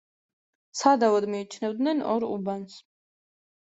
სადავოდ მიიჩნევდნენ ორ უბანს.